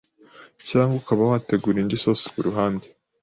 cyangwa ukaba wategura indi sosi ku ruhande